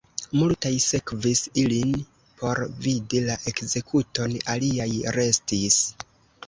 Multaj sekvis ilin por vidi la ekzekuton, aliaj restis.